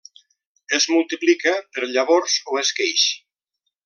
Es multiplica per llavors o esqueix.